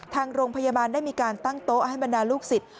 ทางโรงพยาบาลได้มีการตั้งโต๊ะให้บรรดาลูกศิษย